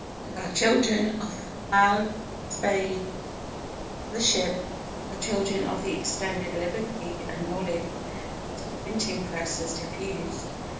We are children of the plough, the spade, and the ship; we are children of the extended liberty and knowledge which the printing press has diffused.